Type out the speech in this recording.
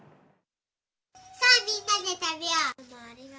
さあ、みんなで食べよう。